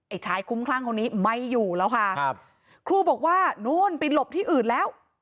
ชายคุ้มคลั่งคนนี้ไม่อยู่แล้วค่ะครับครูบอกว่านู้นไปหลบที่อื่นแล้ว